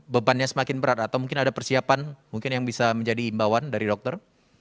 bebannya semakin berat atau mungkin ada persiapan mungkin yang bisa menjadi imbauan dari dokter